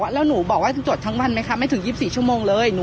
แล้วหนูบอกว่าจะจดทั้งวันไหมคะไม่ถึง๒๔ชั่วโมงเลย